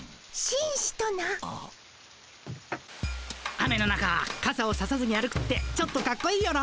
雨の中かさをささずに歩くってちょっとかっこいいよな。